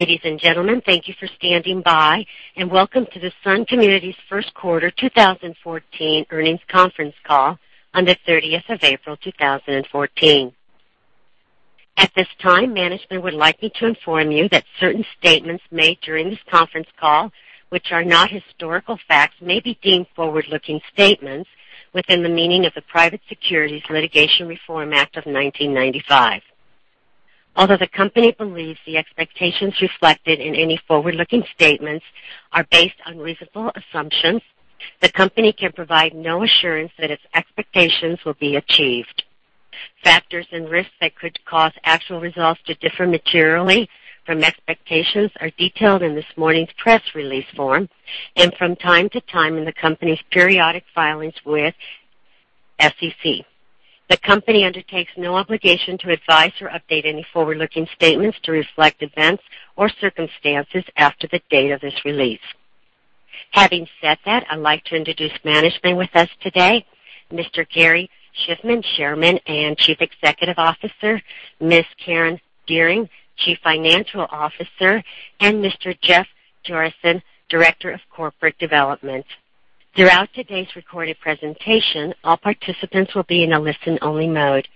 Ladies and gentlemen, thank you for standing by, and welcome to the Sun Communities First Quarter 2014 Earnings Conference Call on the 30th of April, 2014. At this time, management would like me to inform you that certain statements made during this conference call, which are not historical facts, may be deemed forward-looking statements within the meaning of the Private Securities Litigation Reform Act of 1995. Although the company believes the expectations reflected in any forward-looking statements are based on reasonable assumptions, the company can provide no assurance that its expectations will be achieved. Factors and risks that could cause actual results to differ materially from expectations are detailed in this morning's press release form and from time to time in the company's periodic filings with SEC. The company undertakes no obligation to advise or update any forward-looking statements to reflect events or circumstances after the date of this release. Having said that, I'd like to introduce management with us today, Mr. Gary Shiffman, Chairman and Chief Executive Officer, Ms. Karen Dearing, Chief Financial Officer, and Mr. Jeff Jorissen, Director of Corporate Development. Throughout today's recorded presentation, all participants will be in a listen-only mode.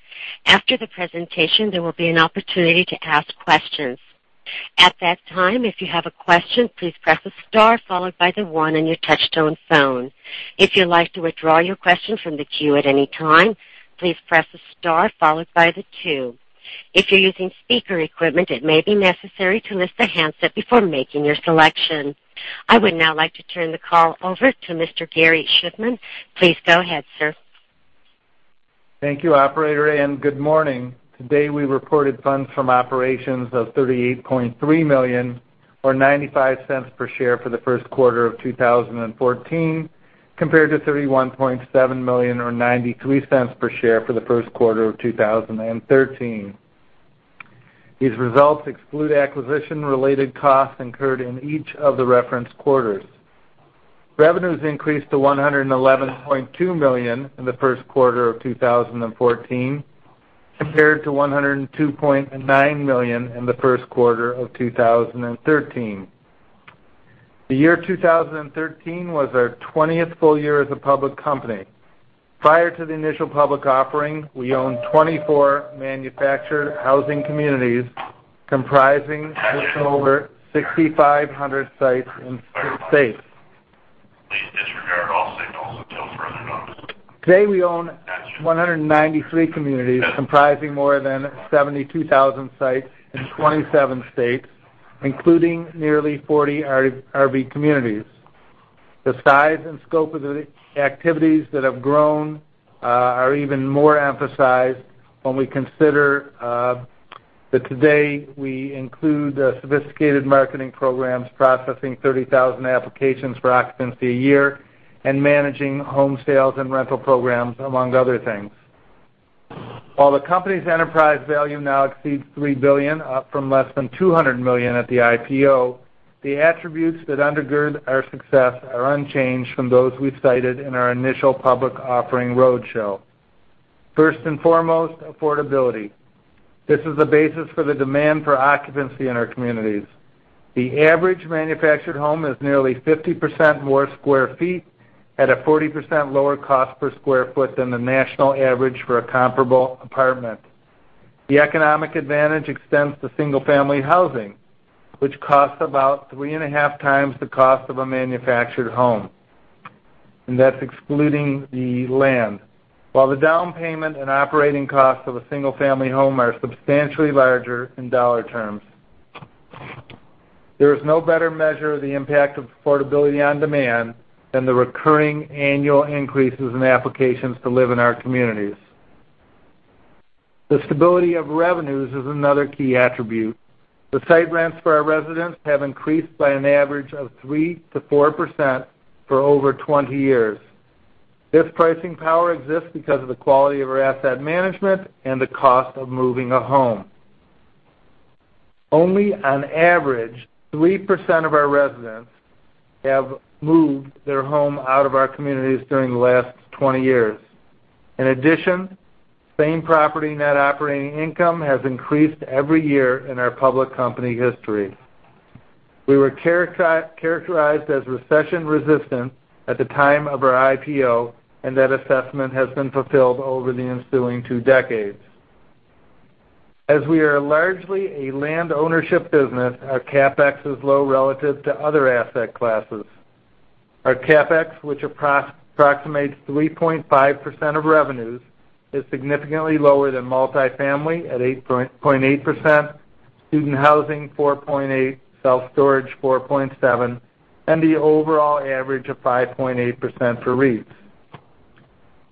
After the presentation, there will be an opportunity to ask questions. At that time, if you have a question, please press a star followed by the one on your touchtone phone. If you'd like to withdraw your question from the queue at any time, please press a star followed by the two. If you're using speaker equipment, it may be necessary to lift the handset before making your selection. I would now like to turn the call over to Mr. Gary Shiffman. Please go ahead, sir. Thank you, operator, and good morning. Today, we reported funds from operations of $38.3 million, or $0.95 per share for the first quarter of 2014, compared to $31.7 million or $0.93 per share for the first quarter of 2013. These results exclude acquisition-related costs incurred in each of the referenced quarters. Revenues increased to $111.2 million in the first quarter of 2014, compared to $102.9 million in the first quarter of 2013. The year 2013 was our 20th full year as a public company. Prior to the initial public offering, we owned 24 manufactured housing communities comprising just over 6,500 sites in six states. Please disregard all signals until further notice. Today, we own 193 communities, comprising more than 72,000 sites in 27 states, including nearly 40 RV communities. The size and scope of the activities that have grown are even more emphasized when we consider that today we include a sophisticated marketing programs, processing 30,000 applications for occupancy a year and managing home sales and rental programs, among other things. While the company's enterprise value now exceeds $3 billion, up from less than $200 million at the IPO, the attributes that undergird our success are unchanged from those we cited in our initial public offering roadshow. First and foremost, affordability. This is the basis for the demand for occupancy in our communities. The average manufactured home is nearly 50% more square feet at a 40% lower cost per square foot than the national average for a comparable apartment. The economic advantage extends to single-family housing, which costs about 3.5x the cost of a manufactured home, and that's excluding the land. While the down payment and operating costs of a single-family home are substantially larger in dollar terms, there is no better measure of the impact of affordability on demand than the recurring annual increases in applications to live in our communities. The stability of revenues is another key attribute. The site rents for our residents have increased by an average of 3%-4% for over 20 years. This pricing power exists because of the quality of our asset management and the cost of moving a home. Only on average, 3% of our residents have moved their home out of our communities during the last 20 years. In addition, same property net operating income has increased every year in our public company history. We were characterized as recession-resistant at the time of our IPO, and that assessment has been fulfilled over the ensuing two decades. As we are largely a land ownership business, our CapEx is low relative to other asset classes. Our CapEx, which approximates 3.5% of revenues, is significantly lower than multifamily at 8.8%, student housing 4.8%, self-storage 4.7%, and the overall average of 5.8% for REITs.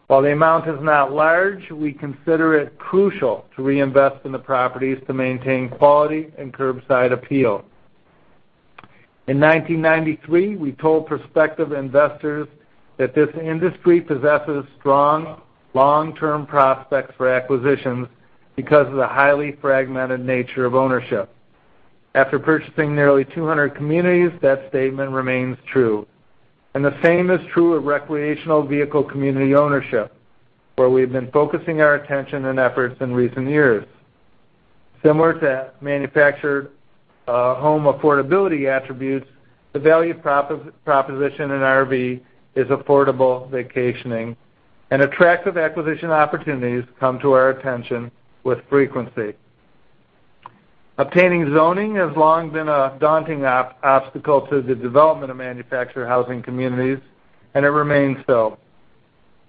While the amount is not large, we consider it crucial to reinvest in the properties to maintain quality and curb appeal. In 1993, we told prospective investors that this industry possesses strong, long-term prospects for acquisitions because of the highly fragmented nature of ownership. After purchasing nearly 200 communities, that statement remains true, and the same is true of recreational vehicle community ownership, where we've been focusing our attention and efforts in recent years. Similar to manufactured home affordability attributes, the value proposition in RV is affordable vacationing, and attractive acquisition opportunities come to our attention with frequency. Obtaining zoning has long been a daunting obstacle to the development of manufactured housing communities, and it remains so.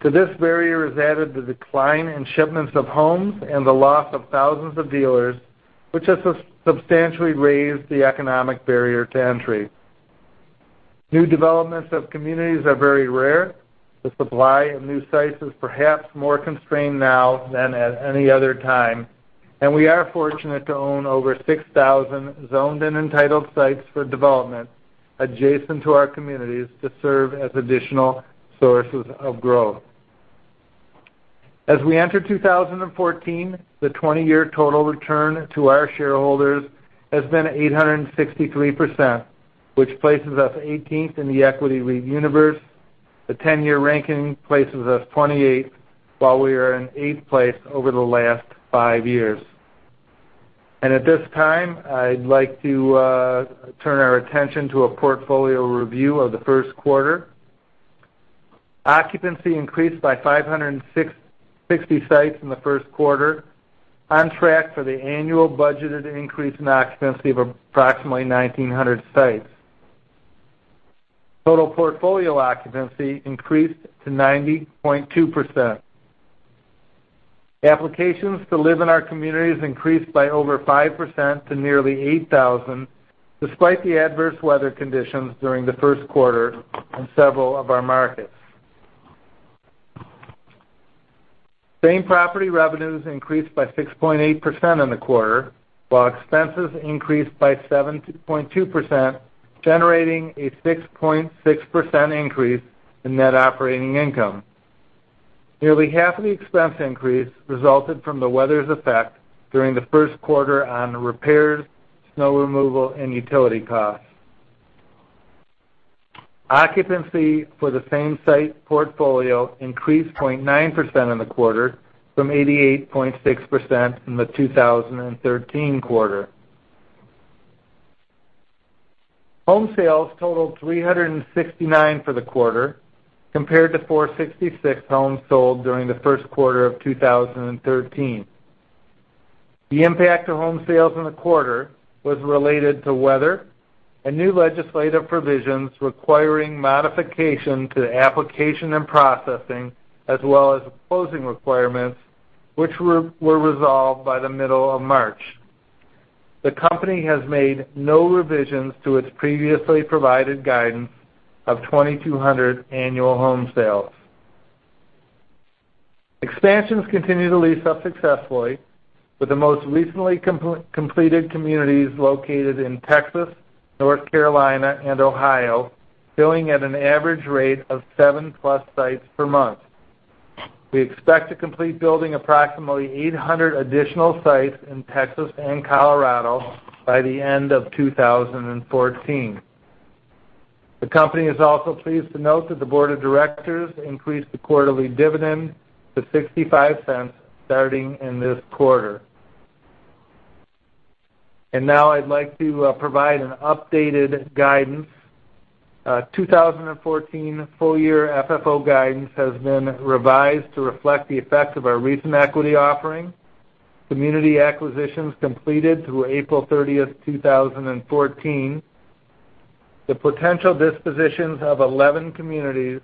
To this barrier is added the decline in shipments of homes and the loss of thousands of dealers, which has substantially raised the economic barrier to entry. New developments of communities are very rare. The supply of new sites is perhaps more constrained now than at any other time, and we are fortunate to own over 6,000 zoned and entitled sites for development adjacent to our communities to serve as additional sources of growth. As we enter 2014, the 20-year total return to our shareholders has been 863%, which places us 18th in the equity REIT universe. The 10-year ranking places us 28th, while we are in eighth place over the last five years. At this time, I'd like to turn our attention to a portfolio review of the first quarter. Occupancy increased by 560 sites in the first quarter, on track for the annual budgeted increase in occupancy of approximately 1,900 sites. Total portfolio occupancy increased to 90.2%. Applications to live in our communities increased by over 5% to nearly 8,000, despite the adverse weather conditions during the first quarter in several of our markets. Same property revenues increased by 6.8% in the quarter, while expenses increased by 7.2%, generating a 6.6% increase in net operating income. Nearly half of the expense increase resulted from the weather's effect during the first quarter on repairs, snow removal, and utility costs. Occupancy for the same site portfolio increased 0.9% in the quarter from 88.6% in the 2013 quarter. Home sales totaled 369 for the quarter, compared to 466 homes sold during the first quarter of 2013. The impact of home sales in the quarter was related to weather and new legislative provisions requiring modification to application and processing, as well as closing requirements, which were resolved by the middle of March. The company has made no revisions to its previously provided guidance of 2,200 annual home sales. Expansions continue to lease up successfully, with the most recently completed communities located in Texas, North Carolina, and Ohio, filling at an average rate of +7 sites per month. We expect to complete building approximately 800 additional sites in Texas and Colorado by the end of 2014. The company is also pleased to note that the board of directors increased the quarterly dividend to $0.65 starting in this quarter. Now I'd like to provide an updated guidance. 2014 full year FFO guidance has been revised to reflect the effect of our recent equity offering, community acquisitions completed through April 30, 2014, the potential dispositions of 11 communities,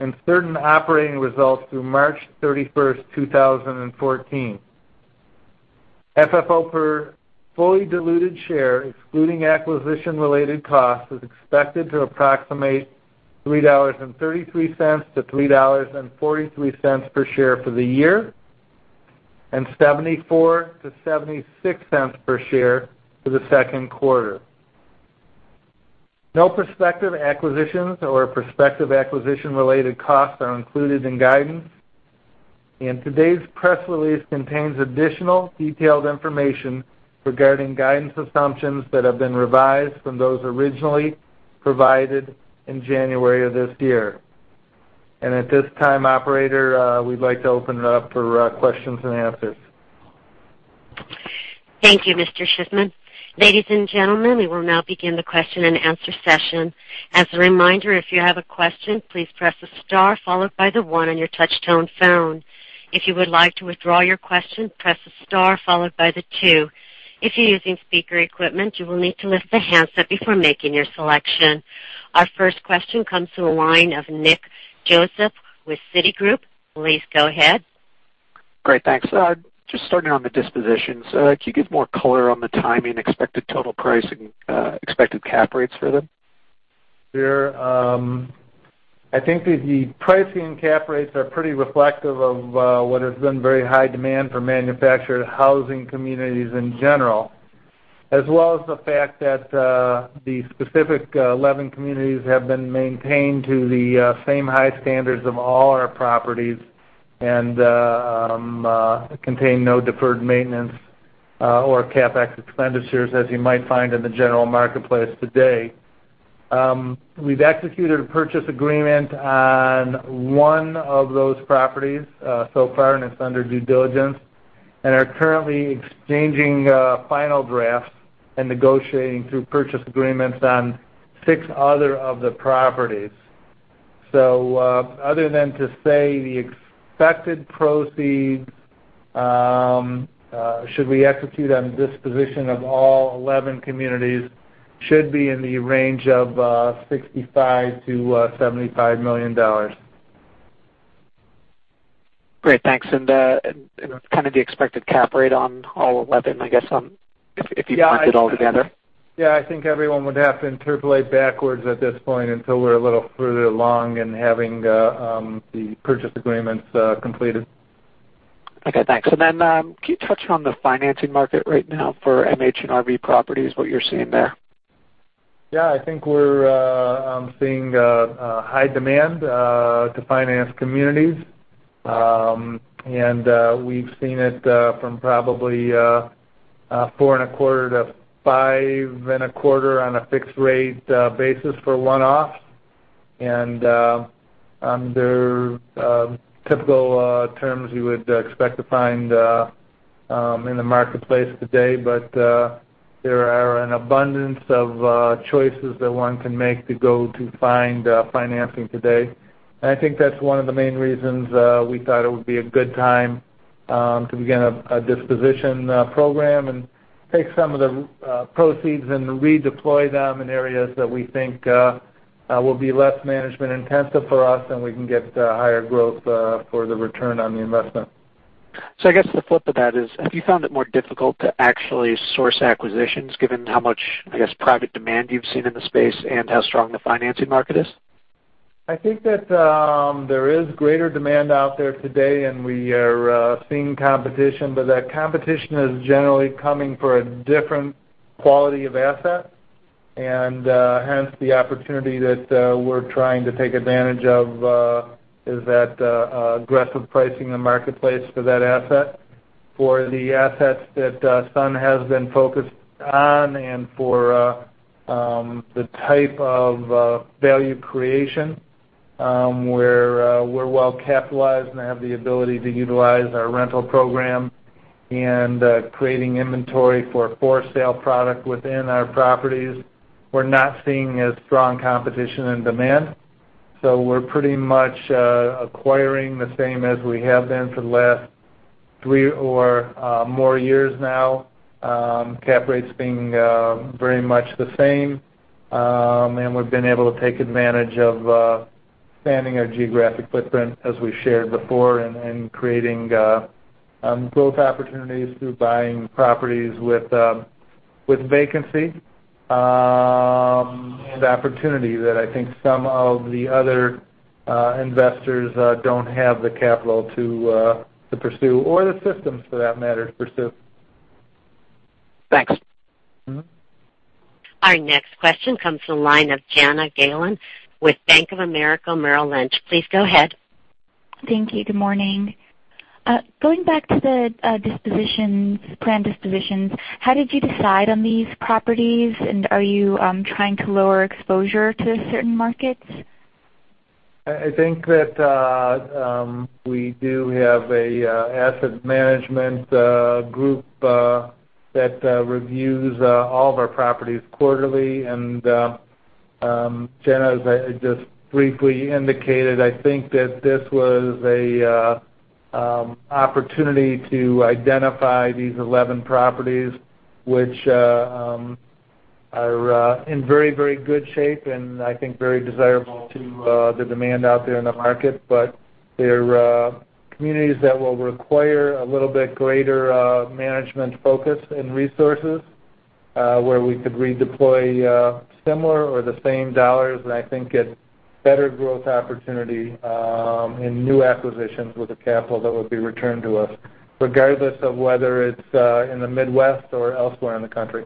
and certain operating results through March 31, 2014. FFO per fully diluted share, excluding acquisition-related costs, is expected to approximate $3.33-$3.43 per share for the year, and $0.74-$0.76 per share for the second quarter. No prospective acquisitions or prospective acquisition-related costs are included in guidance, and today's press release contains additional detailed information regarding guidance assumptions that have been revised from those originally provided in January of this year. At this time, operator, we'd like to open it up for questions and answers. Thank you, Mr. Shiffman. Ladies and gentlemen, we will now begin the question-and-answer session. As a reminder, if you have a question, please press the star followed by the one on your touch-tone phone. If you would like to withdraw your question, press the star followed by the two. If you're using speaker equipment, you will need to lift the handset before making your selection. Our first question comes from the line of Nick Joseph with Citigroup. Please go ahead. Great, thanks. Just starting on the dispositions, can you give more color on the timing, expected total price, and expected cap rates for them? Sure, I think the pricing cap rates are pretty reflective of what has been very high demand for manufactured housing communities in general, as well as the fact that the specific 11 communities have been maintained to the same high standards of all our properties and contain no deferred maintenance or CapEx expenditures as you might find in the general marketplace today. We've executed a purchase agreement on one of those properties so far, and it's under due diligence, and are currently exchanging final drafts and negotiating through purchase agreements on six other of the properties. So, other than to say the expected proceeds should we execute on disposition of all 11 communities, should be in the range of $65 million-$75 million. Great, thanks. And kind of the expected cap rate on all 11, I guess, if you put it all together? Yeah, I think everyone would have to interpolate backwards at this point until we're a little further along in having the purchase agreements completed. Okay, thanks. And then, can you touch on the financing market right now for MH & RV properties, what you're seeing there? Yeah, I think we're seeing a high demand to finance communities. We've seen it from probably 4.25% to 5.25% on a fixed rate basis for one-off. There are typical terms you would expect to find in the marketplace today, but there are an abundance of choices that one can make to go to find financing today. I think that's one of the main reasons we thought it would be a good time to begin a disposition program and take some of the proceeds and redeploy them in areas that we think will be less management intensive for us, and we can get higher growth for the return on the investment. So I guess the flip of that is, have you found it more difficult to actually source acquisitions, given how much, I guess, private demand you've seen in the space and how strong the financing market is? I think that, there is greater demand out there today, and we are, seeing competition, but that competition is generally coming for a different quality of asset. Hence, the opportunity that, we're trying to take advantage of, is that, aggressive pricing in the marketplace for that asset. For the assets that, Sun has been focused on and for, the type of, value creation, we're well capitalized and have the ability to utilize our rental program and, creating inventory for for-sale product within our properties. We're not seeing as strong competition and demand, so we're pretty much, acquiring the same as we have been for the last three or, more years now. Cap rates being very much the same, and we've been able to take advantage of expanding our geographic footprint, as we shared before, and creating growth opportunities through buying properties with vacancy and opportunity that I think some of the other investors don't have the capital to pursue, or the systems, for that matter, to pursue. Thanks. Our next question comes from the line of Jana Galan with Bank of America Merrill Lynch. Please go ahead. Thank you. Good morning. Going back to the dispositions, planned dispositions, how did you decide on these properties, and are you trying to lower exposure to certain markets? I think that we do have an asset management group that reviews all of our properties quarterly. And Jana, as I just briefly indicated, I think that this was an opportunity to identify these 11 properties, which are in very, very good shape and I think very desirable to the demand out there in the market. But they're communities that will require a little bit greater management focus and resources, where we could redeploy similar or the same dollars, and I think get better growth opportunity in new acquisitions with the capital that would be returned to us, regardless of whether it's in the Midwest or elsewhere in the country.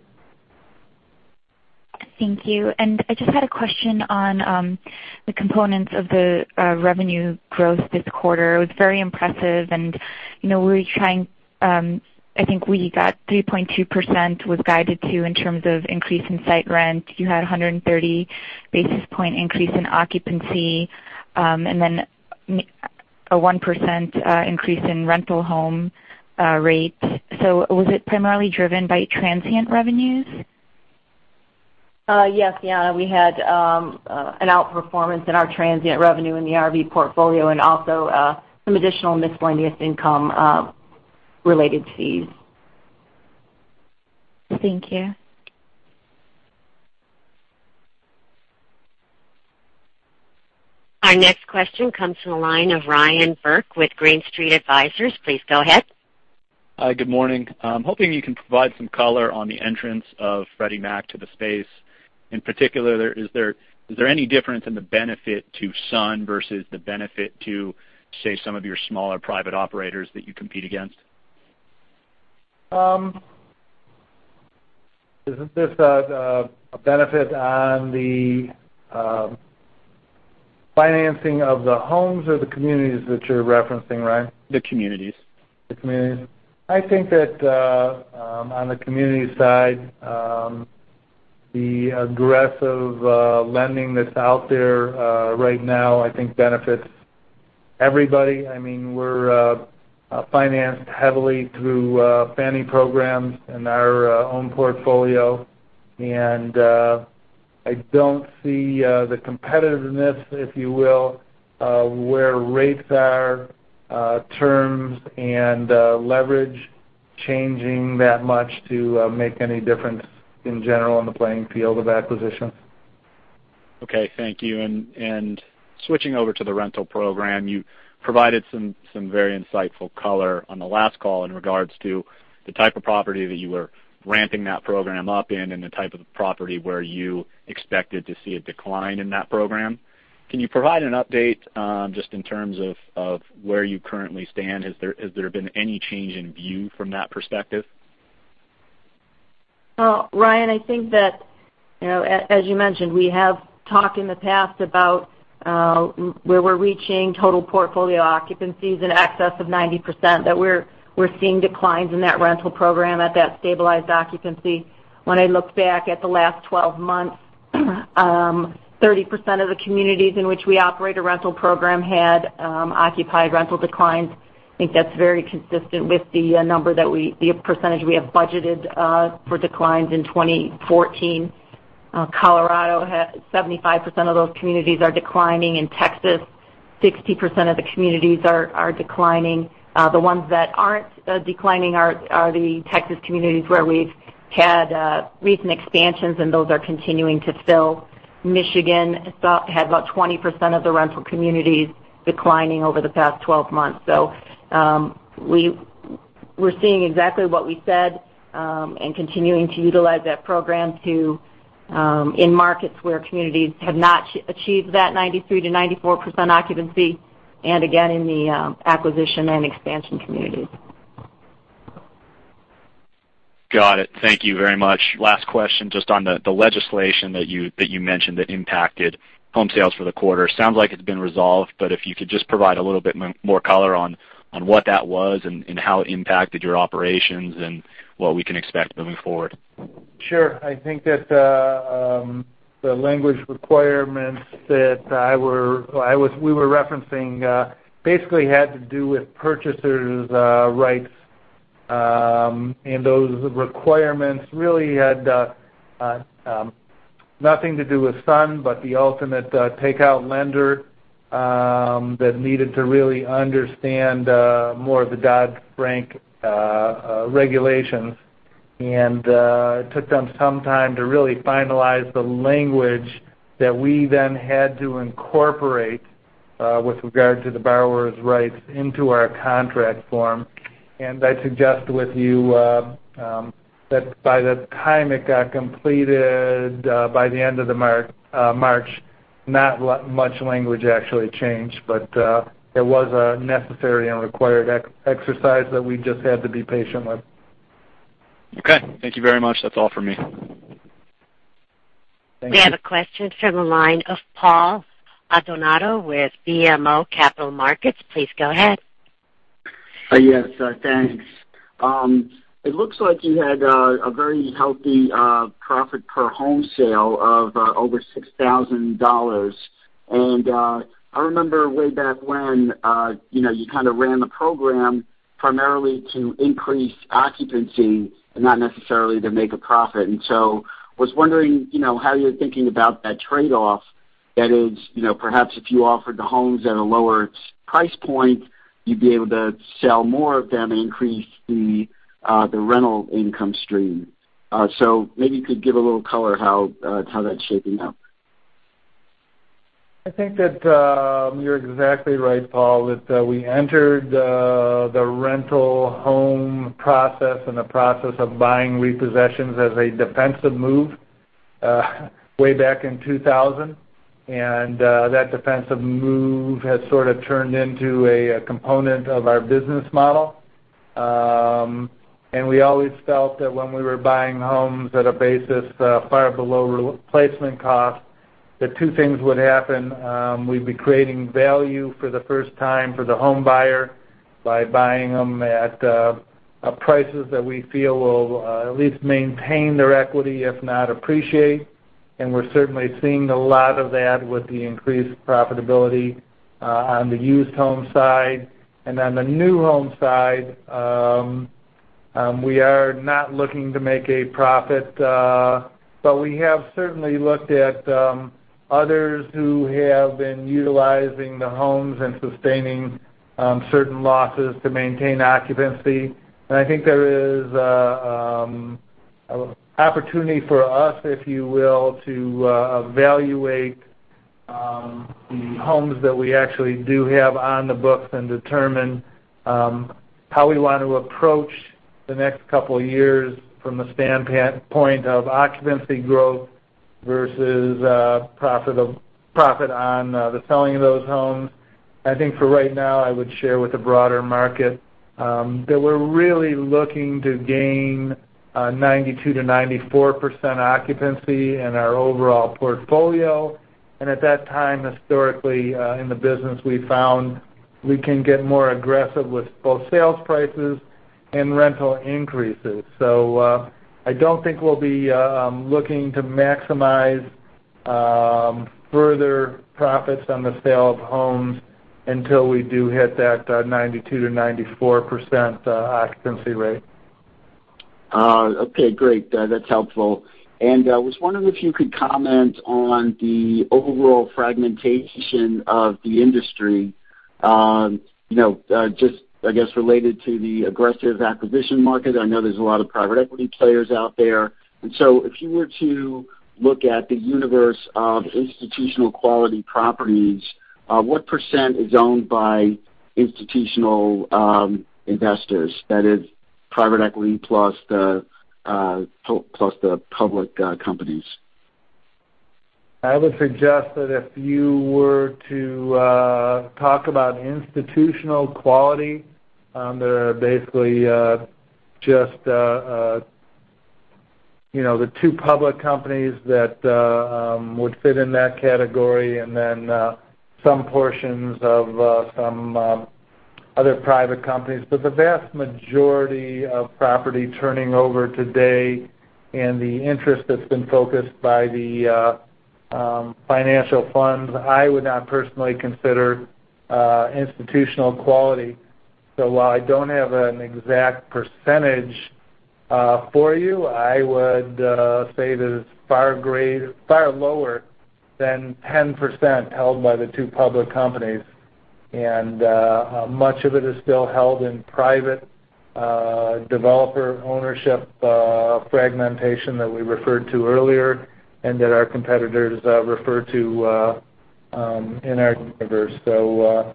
Thank you. And I just had a question on the components of the revenue growth this quarter. It was very impressive and, you know, we're trying. I think we got 3.2% was guided to you in terms of increase in site rent. You had a 130 basis point increase in occupancy, and then a 1% increase in rental home rate. So was it primarily driven by transient revenues? Yeah, we had an outperformance in our transient revenue in the RV portfolio and also some additional miscellaneous income related to these. Thank you. Our next question comes from the line of Ryan Burke with Green Street Advisors. Please go ahead. Hi, good morning. I'm hoping you can provide some color on the entrance of Freddie Mac to the space. In particular, is there, is there any difference in the benefit to Sun versus the benefit to, say, some of your smaller private operators that you compete against? Isn't this a benefit on the financing of the homes or the communities that you're referencing, Ryan? The communities. The communities. I think that, on the community side, the aggressive lending that's out there right now, I think benefits everybody. I mean, we're financed heavily through Fannie programs and our own portfolio. I don't see the competitiveness, if you will, of where rates are, terms, and leverage changing that much to make any difference in general in the playing field of acquisition. Okay, thank you. And switching over to the rental program, you provided some very insightful color on the last call in regards to the type of property that you were ramping that program up in, and the type of property where you expected to see a decline in that program. Can you provide an update, just in terms of where you currently stand? Has there been any change in view from that perspective? Well, Ryan, I think that, you know, as you mentioned, we have talked in the past about where we're reaching total portfolio occupancies in excess of 90%, that we're seeing declines in that rental program at that stabilized occupancy. When I look back at the last 12 months, 30% of the communities in which we operate a rental program had occupied rental declines. I think that's very consistent with the number that the percentage we have budgeted for declines in 2014. Colorado, 75% of those communities are declining. In Texas, 60% of the communities are declining. The ones that aren't declining are the Texas communities, where we've had recent expansions, and those are continuing to fill. Michigan, had about 20% of the rental communities declining over the past 12 months. So, we're seeing exactly what we said, and continuing to utilize that program to, in markets where communities have not achieved that 93%-94% occupancy, and again, in the, acquisition and expansion communities. Got it. Thank you very much. Last question, just on the legislation that you mentioned that impacted home sales for the quarter. Sounds like it's been resolved, but if you could just provide a little bit more color on what that was and how it impacted your operations, and what we can expect moving forward. Sure. I think the language requirements that we were referencing basically had to do with purchasers' rights. And those requirements really had nothing to do with Sun, but the ultimate takeout lender that needed to really understand more of the Dodd-Frank regulations. And it took them some time to really finalize the language that we then had to incorporate with regard to the borrowers' rights into our contract form. And I'd suggest with you that by the time it got completed by the end of March, not much language actually changed. But it was a necessary and required exercise that we just had to be patient with. Okay. Thank you very much. That's all for me. Thank you. We have a question from the line of Paul Adornato with BMO Capital Markets. Please go ahead. Yes, thanks. It looks like you had a very healthy profit per home sale of over $6,000. I remember way back when, you know, you kind of ran the program primarily to increase occupancy and not necessarily to make a profit. So I was wondering, you know, how you're thinking about that trade-off. That is, you know, perhaps if you offered the homes at a lower price point, you'd be able to sell more of them and increase the rental income stream. So maybe you could give a little color how that's shaping up. I think that, you're exactly right, Paul, that, we entered the rental home process and the process of buying repossessions as a defensive move, way back in 2000. And, that defensive move has sort of turned into a, component of our business model. And we always felt that when we were buying homes at a basis, far below replacement cost, that two things would happen. We'd be creating value for the first time for the home buyer by buying them at, prices that we feel will, at least maintain their equity, if not appreciate. And we're certainly seeing a lot of that with the increased profitability, on the used home side. And on the new home side, we are not looking to make a profit, but we have certainly looked at others who have been utilizing the homes and sustaining certain losses to maintain occupancy. And I think there is a opportunity for us, if you will, to evaluate the homes that we actually do have on the books and determine how we want to approach the next couple of years from the standpoint of occupancy growth versus profit on the selling of those homes. I think for right now, I would share with the broader market that we're really looking to gain 92%-94% occupancy in our overall portfolio. And at that time, historically, in the business, we found we can get more aggressive with both sales prices and rental increases. So, I don't think we'll be looking to maximize further profits on the sale of homes until we do hit that 92%-94% occupancy rate. Okay, great. That's helpful. And I was wondering if you could comment on the overall fragmentation of the industry, you know, just, I guess, related to the aggressive acquisition market. I know there's a lot of private equity players out there. And so if you were to look at the universe of institutional quality properties, what percent is owned by institutional investors, that is private equity, plus the public companies? I would suggest that if you were to talk about institutional quality, there are basically just you know the two public companies that would fit in that category, and then some portions of some other private companies. But the vast majority of property turning over today and the interest that's been focused by the financial funds, I would not personally consider institutional quality. So while I don't have an exact percentage for you, I would say that it's far lower than 10% held by the two public companies. And much of it is still held in private developer ownership fragmentation that we referred to earlier and that our competitors refer to in our universe. So,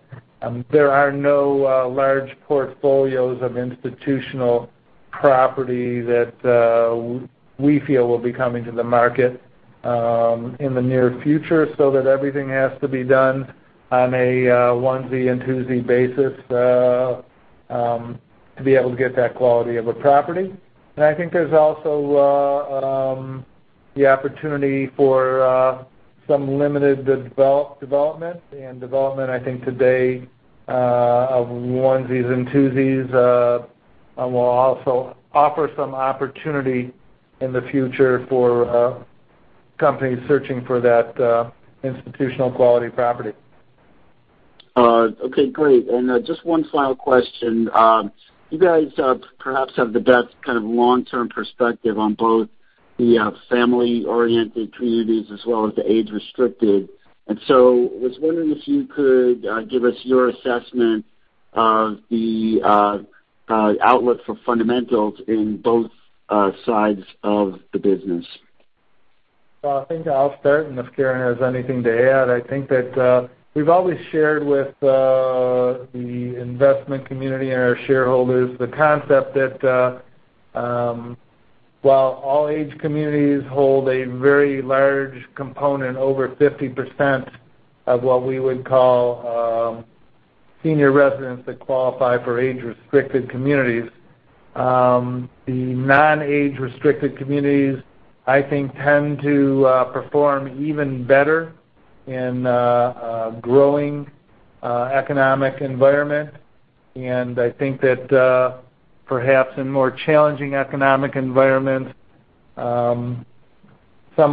there are no large portfolios of institutional property that we feel will be coming to the market in the near future, so that everything has to be done on a onesie and twosie basis to be able to get that quality of a property. And I think there's also the opportunity for some limited development. And development, I think today, of onesies and twosies will also offer some opportunity in the future for companies searching for that institutional quality property. Okay, great. And just one final question. You guys perhaps have the best kind of long-term perspective on both the family-oriented communities as well as the age-restricted. And so I was wondering if you could give us your assessment of the outlook for fundamentals in both sides of the business? Well, I think I'll start, and if Karen has anything to add. I think that, we've always shared with, the investment community and our shareholders, the concept that, while all age communities hold a very large component, over 50% of what we would call, senior residents that qualify for age-restricted communities, the non-age-restricted communities, I think, tend to, perform even better in a, a growing, economic environment. And I think that, perhaps in more challenging economic environments, some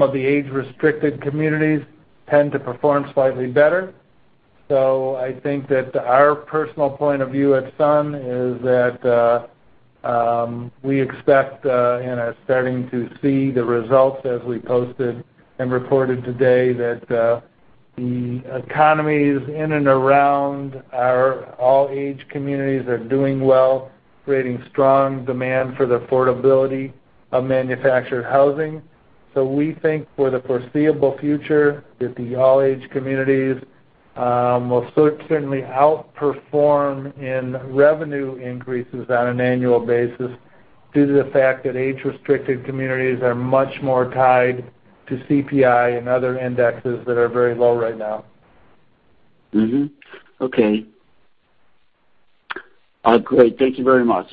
of the age-restricted communities tend to perform slightly better. So I think that our personal point of view at Sun is that we expect and are starting to see the results as we posted and reported today, that the economies in and around our all-age communities are doing well, creating strong demand for the affordability of manufactured housing. So we think for the foreseeable future, that the all-age communities will certainly outperform in revenue increases on an annual basis, due to the fact that age-restricted communities are much more tied to CPI and other indexes that are very low right now. Okay. Great. Thank you very much.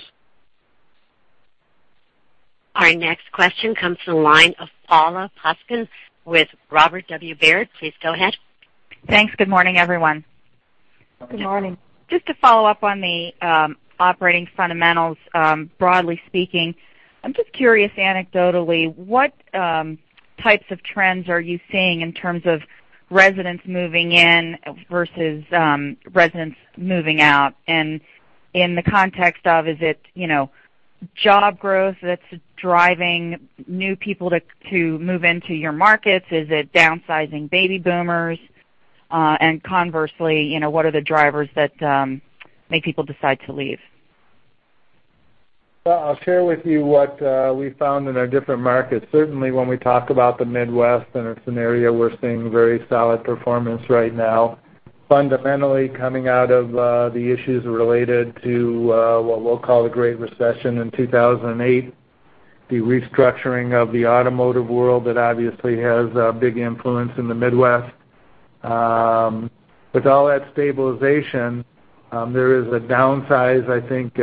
Our next question comes from the line of Paula Poskon with Robert W. Baird. Please go ahead. Thanks. Good morning, everyone. Good morning. Just to follow up on the operating fundamentals, broadly speaking, I'm just curious, anecdotally, what types of trends are you seeing in terms of residents moving in versus residents moving out? And in the context of, is it, you know, job growth that's driving new people to move into your markets? Is it downsizing baby boomers? And conversely, you know, what are the drivers that make people decide to leave? Well, I'll share with you what we found in our different markets. Certainly, when we talk about the Midwest and a scenario, we're seeing very solid performance right now. Fundamentally, coming out of the issues related to what we'll call the Great Recession in 2008 the restructuring of the automotive world, that obviously has a big influence in the Midwest. With all that stabilization, there is a downside, I think,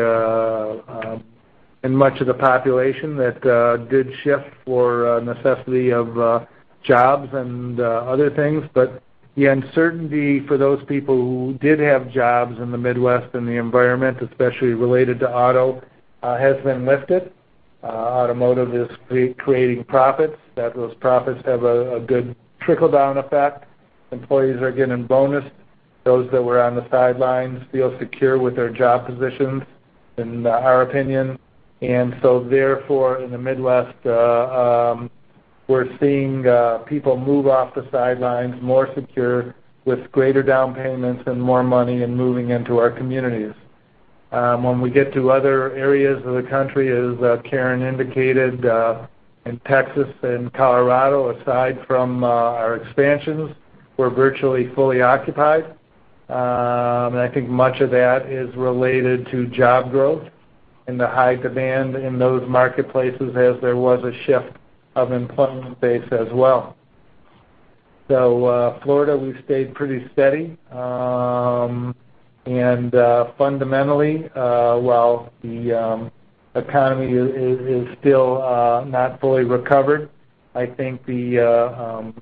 in much of the population that did shift for necessity of jobs and other things. But the uncertainty for those people who did have jobs in the Midwest and the environment, especially related to auto, has been lifted. Automotive is creating profits, that those profits have a good trickle-down effect. Employees are getting bonused. Those that were on the sidelines feel secure with their job positions, in, our opinion. And so therefore, in the Midwest, we're seeing, people move off the sidelines, more secure, with greater down payments and more money and moving into our communities. When we get to other areas of the country, as, Karen indicated, in Texas and Colorado, aside from, our expansions, we're virtually fully occupied. And I think much of that is related to job growth and the high demand in those marketplaces, as there was a shift of employment base as well. So, Florida, we've stayed pretty steady. Fundamentally, while the economy is still not fully recovered, I think the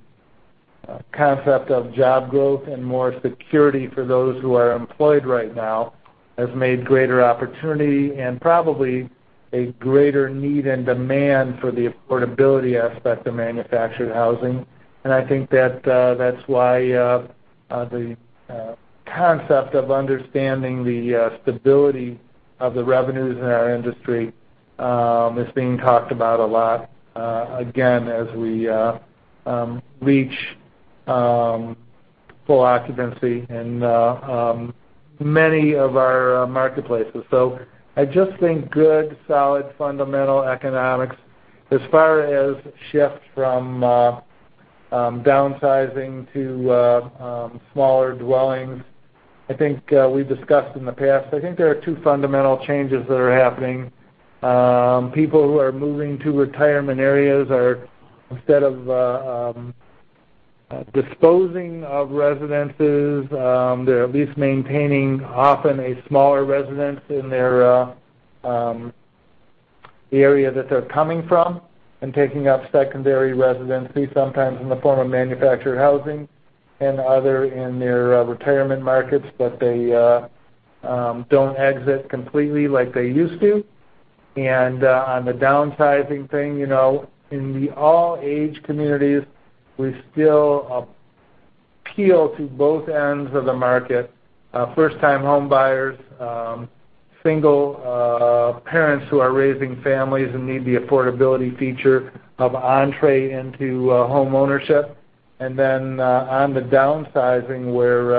concept of job growth and more security for those who are employed right now has made greater opportunity and probably a greater need and demand for the affordability aspect of manufactured housing. And I think that that's why the concept of understanding the stability of the revenues in our industry is being talked about a lot again as we reach full occupancy in many of our marketplaces. So I just think good, solid, fundamental economics. As far as shift from downsizing to smaller dwellings, I think we've discussed in the past. I think there are two fundamental changes that are happening. People who are moving to retirement areas are, instead of, disposing of residences, they're at least maintaining often a smaller residence in their, the area that they're coming from and taking up secondary residency, sometimes in the form of manufactured housing and other in their, retirement markets. But they don't exit completely like they used to. And, on the downsizing thing, you know, in the all-age communities, we still appeal to both ends of the market. First-time homebuyers, single, parents who are raising families and need the affordability feature of entry into, homeownership. And then, on the downsizing, where,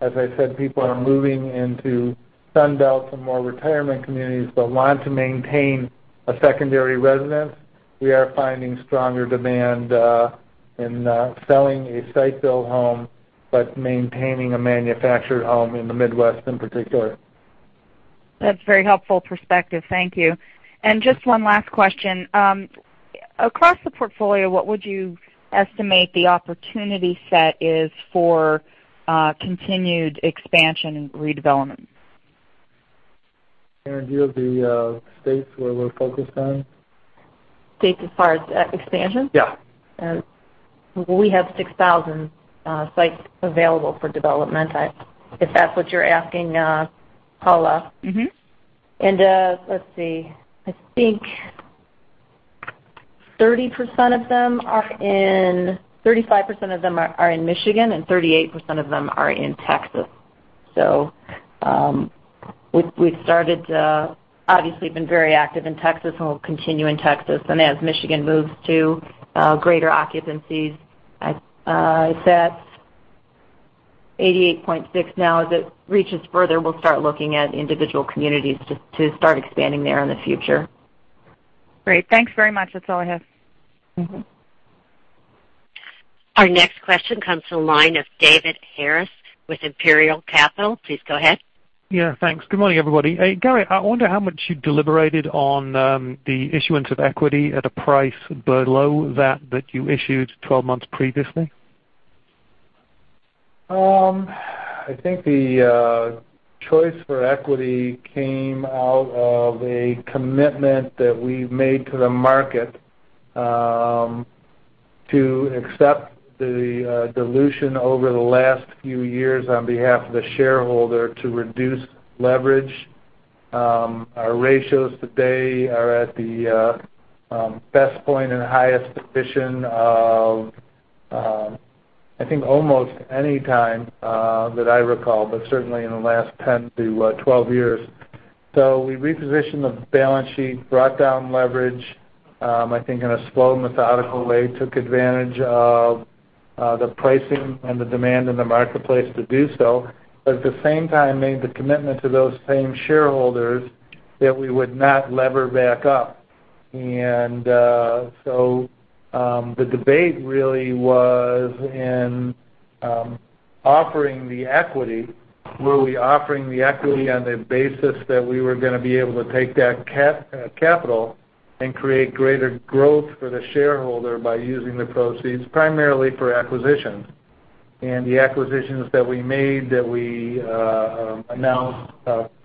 as I said, people are moving into Sun Belt and more retirement communities but want to maintain a secondary residence. We are finding stronger demand in selling a site-built home, but maintaining a manufactured home in the Midwest in particular. That's a very helpful perspective. Thank you. Just one last question. Across the portfolio, what would you estimate the opportunity set is for continued expansion and redevelopment? Karen, do you have the states where we're focused on? States as far as expansion? Yeah. We have 6,000 sites available for development. If that's what you're asking, Paula. I think 35% of them are in Michigan, and 38% of them are in Texas. So, we've started to obviously been very active in Texas, and we'll continue in Texas. And as Michigan moves to greater occupancies, I said 88.6% now. As it reaches further, we'll start looking at individual communities to start expanding there in the future. Great. Thanks very much. That's all I have. Our next question comes from the line of David Harris with Imperial Capital. Please go ahead. Yeah, thanks. Good morning, everybody. Hey, Gary, I wonder how much you deliberated on the issuance of equity at a price below that that you issued 12 months previously. I think the choice for equity came out of a commitment that we made to the market to accept the dilution over the last few years on behalf of the shareholder to reduce leverage. Our ratios today are at the best point and highest position of, I think, almost any time that I recall, but certainly in the last 10-12 years. So we repositioned the balance sheet, brought down leverage, I think, in a slow and methodical way, took advantage of the pricing and the demand in the marketplace to do so, but at the same time, made the commitment to those same shareholders that we would not lever back up. So the debate really was in--offering the equity, were we offering the equity on the basis that we were going to be able to take that capital and create greater growth for the shareholder by using the proceeds primarily for acquisitions. And the acquisitions that we made, that we announced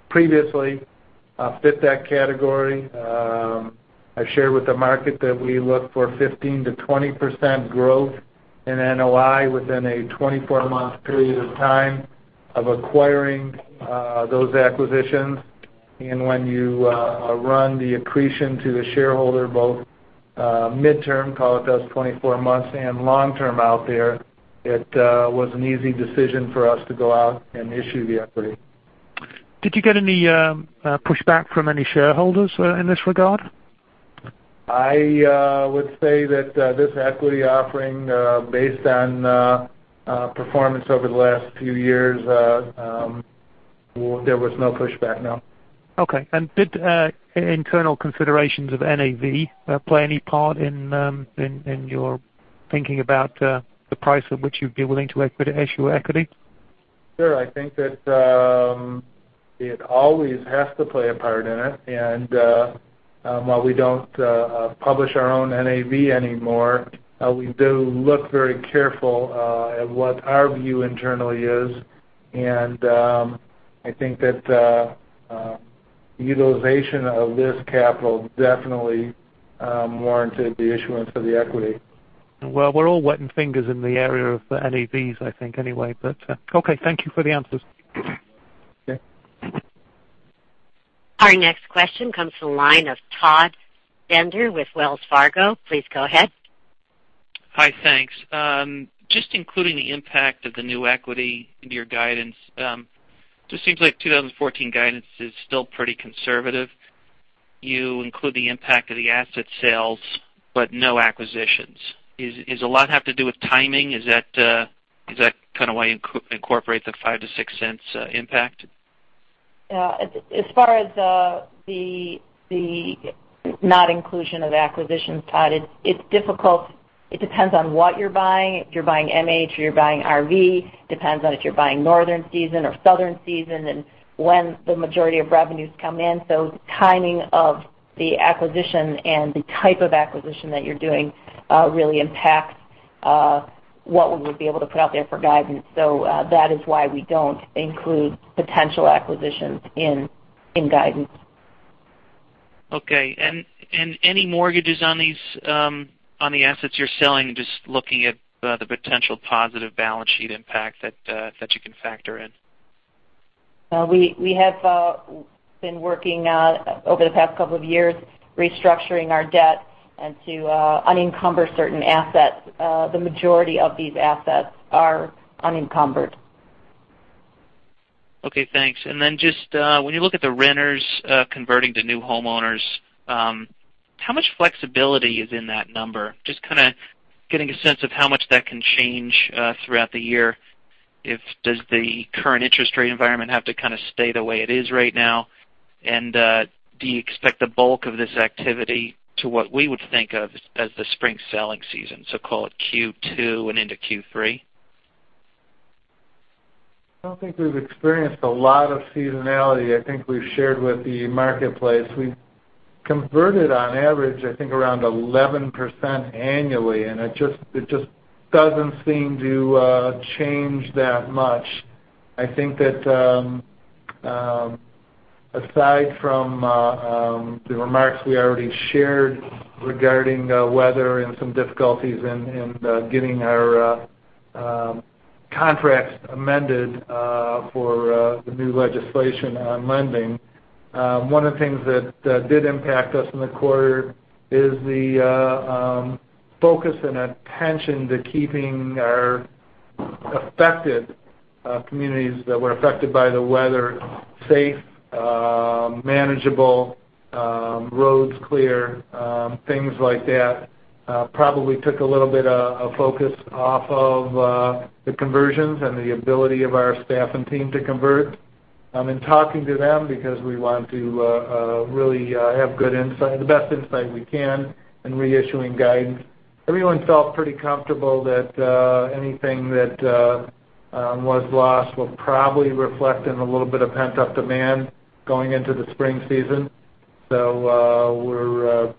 previously, fit that category. I shared with the market that we look for 15%-20% growth in NOI within a 24-month period of time of acquiring those acquisitions. And when you run the accretion to the shareholder, both midterm, call it those 24 months and long term out there, it was an easy decision for us to go out and issue the equity. Did you get any pushback from any shareholders in this regard? I would say that this equity offering, based on performance over the last few years, well, there was no pushback, no. Okay. And did internal considerations of NAV play any part in your thinking about the price at which you'd be willing to issue equity? Sure. I think that, it always has to play a part in it. And, while we don't, publish our own NAV anymore, we do look very careful, at what our view internally is. And, I think that, the utilization of this capital definitely, warranted the issuance of the equity. Well, we're all wetting fingers in the area of the NAVs, I think, anyway, but, okay, thank you for the answers. Okay. Our next question comes from the line of Todd Stender with Wells Fargo. Please go ahead. Hi, thanks. Just including the impact of the new equity into your guidance, just seems like 2014 guidance is still pretty conservative. You include the impact of the asset sales, but no acquisitions. Is a lot to do with timing? Is that kind of why you incorporate the $0.05-$0.06 impact? Yeah, as far as the not inclusion of acquisitions, Todd, it's difficult. It depends on what you're buying. If you're buying MH, or you're buying RV, depends on if you're buying northern season or southern season, and when the majority of revenues come in. So timing of the acquisition and the type of acquisition that you're doing really impacts what we would be able to put out there for guidance. So, that is why we don't include potential acquisitions in guidance. Okay. And any mortgages on these on the assets you're selling, just looking at the potential positive balance sheet impact that you can factor in? We have been working over the past couple of years, restructuring our debt and to unencumber certain assets. The majority of these assets are unencumbered. Okay, thanks. And then just, when you look at the renters, converting to new homeowners, how much flexibility is in that number? Just kind of getting a sense of how much that can change, throughout the year. Does the current interest rate environment have to kind of stay the way it is right now? And, do you expect the bulk of this activity to what we would think of as the spring selling season, so call it Q2 and into Q3? I don't think we've experienced a lot of seasonality. I think we've shared with the marketplace. We've converted on average, I think, around 11% annually, and it just doesn't seem to change that much. I think that aside from the remarks we already shared regarding weather and some difficulties in getting our contracts amended for the new legislation on lending, one of the things that did impact us in the quarter is the focus and attention to keeping our affected communities that were affected by the weather safe, manageable roads clear, things like that, probably took a little bit of focus off of the conversions and the ability of our staff and team to convert. In talking to them because we want to really have good insight, the best insight we can in reissuing guidance. Everyone felt pretty comfortable that anything that was lost will probably reflect in a little bit of pent-up demand going into the spring season. So, we're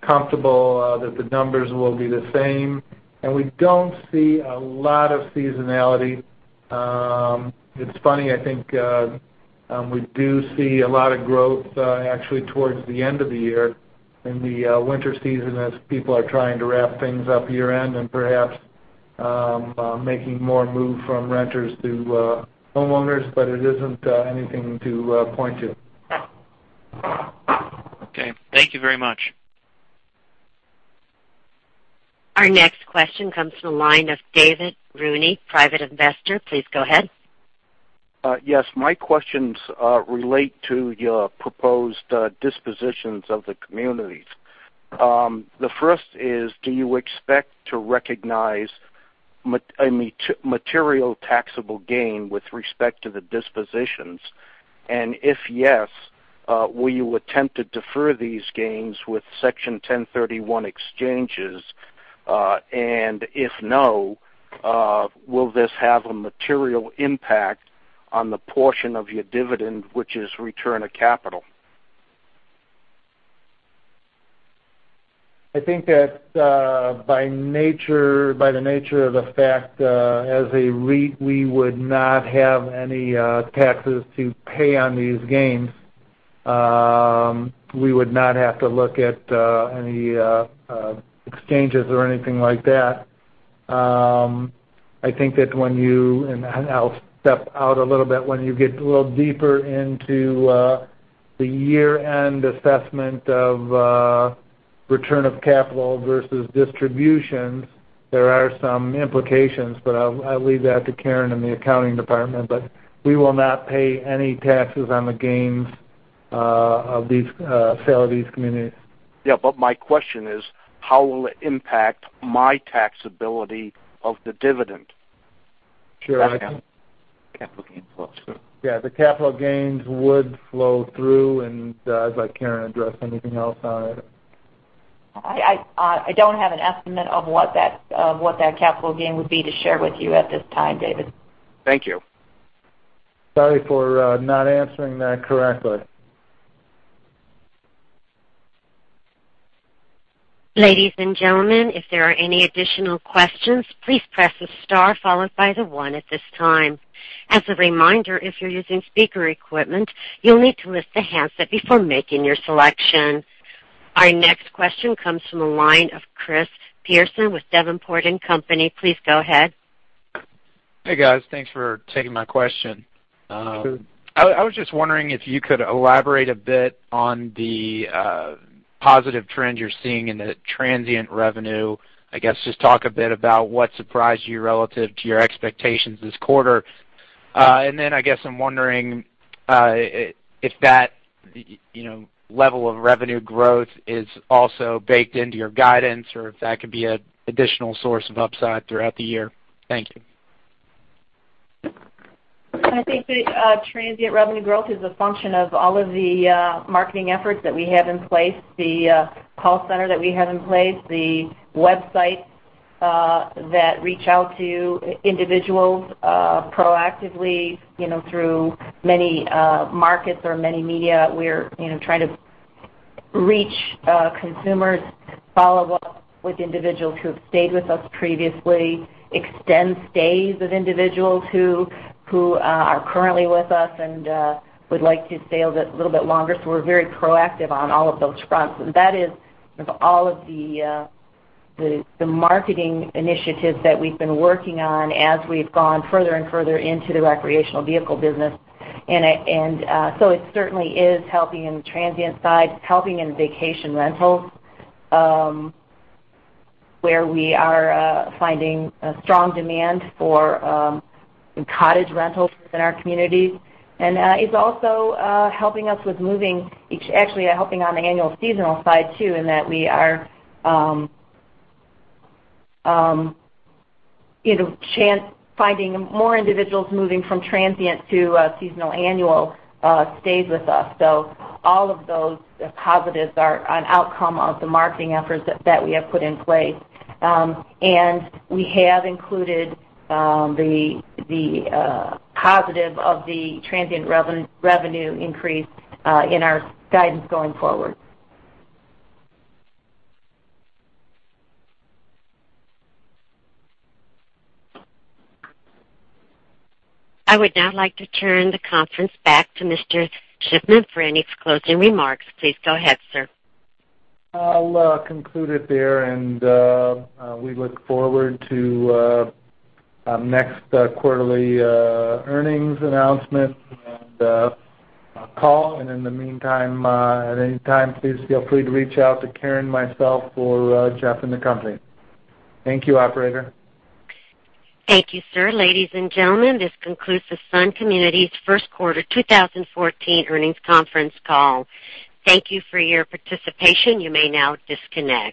comfortable that the numbers will be the same, and we don't see a lot of seasonality. It's funny, I think, we do see a lot of growth actually towards the end of the year, in the winter season, as people are trying to wrap things up year-end and perhaps making more move from renters to homeowners, but it isn't anything to point to. Okay. Thank you very much. Our next question comes from the line of David Rooney, private investor. Please go ahead. Yes, my questions relate to your proposed dispositions of the communities. The first is, do you expect to recognize material taxable gain with respect to the dispositions? And if yes, will you attempt to defer these gains with Section 1031 exchanges? And if no, will this have a material impact on the portion of your dividend, which is return of capital? I think that by the nature of the fact as a REIT, we would not have any taxes to pay on these gains. We would not have to look at any exchanges or anything like that. I think that when you and I'll step out a little bit, when you get a little deeper into the year-end assessment of return of capital versus distributions, there are some implications, but I'll leave that to Karen and the accounting department. But we will not pay any taxes on the gains of these sale of these communities. Yeah, but my question is: How will it impact my taxability of the dividend? Sure. I can-- Capital gains flow through. Yeah, the capital gains would flow through, and I'd let Karen address anything else on it. I don't have an estimate of what that capital gain would be to share with you at this time, David. Thank you. Sorry for not answering that correctly. Ladies and gentlemen, if there are any additional questions, please press the star followed by the one at this time. As a reminder, if you're using speaker equipment, you'll need to lift the handset before making your selection. Our next question comes from the line of Chris Pearson with Davenport & Company. Please go ahead. Hey, guys. Thanks for taking my question. Sure. I was just wondering if you could elaborate a bit on the positive trend you're seeing in the transient revenue. I guess, just talk a bit about what surprised you relative to your expectations this quarter. And then I guess I'm wondering if that, you know, level of revenue growth is also baked into your guidance, or if that could be an additional source of upside throughout the year. Thank you. I think the transient revenue growth is a function of all of the marketing efforts that we have in place--the call center that we have in place, the websites that reach out to individuals proactively, you know, through many markets or many media. We're, you know, trying to reach consumers, follow up with individuals who have stayed with us previously, extend stays of individuals who are currently with us and would like to stay a little bit longer. So we're very proactive on all of those fronts. And that is all of the marketing initiatives that we've been working on as we've gone further and further into the recreational vehicle business. So it certainly is helping in the transient side, helping in vacation rentals, where we are finding a strong demand for cottage rentals within our communities. It's also helping us with moving—it's actually helping on the annual seasonal side, too, in that we are, you know, finding more individuals moving from transient to seasonal annual stays with us. So all of those positives are an outcome of the marketing efforts that we have put in place. And we have included the positive of the transient revenue increase in our guidance going forward. I would now like to turn the conference back to Mr. Shiffman for any closing remarks. Please go ahead, sir. I'll conclude it there, and we look forward to next quarterly earnings announcement and call. In the meantime, at any time, please feel free to reach out to Karen, myself, or Jeff, and the company. Thank you, operator. Thank you, sir. Ladies and gentlemen, this concludes the Sun Communities first quarter, 2014 earnings conference call. Thank you for your participation. You may now disconnect.